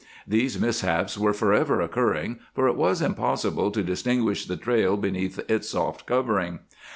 These mishaps were forever occurring, for it was impossible to distinguish the trail beneath its soft covering.